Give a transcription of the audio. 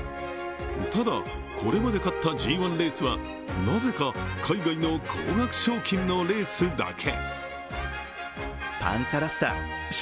ただ、これまで勝ったＧⅠレースは、なぜか海外の高額賞金のレースだけ。